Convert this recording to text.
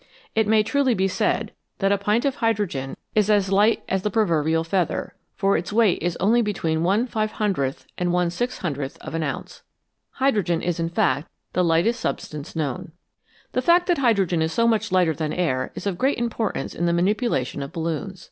It may truly be said that a pint of hydrogen is as light as 41 INVISIBLE SUBSTANCES the proverbial feather, for its weight is only between one five hundredth and one six hundredth of an ounce. Hydrogen is, in fact, the lightest substance known. The fact that hydrogen is so much lighter than air is of great importance in the manipulation of balloons.